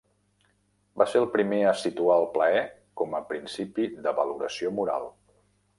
Va ser el primer a situar el plaer com a principi de valoració moral.